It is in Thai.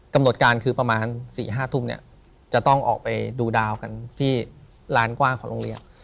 กำหนดการคือประมาณ๔๕ทุ่มเนี่ยจะต้องออกไปดูดาวกันที่ร้านกว้างของโรงเรียน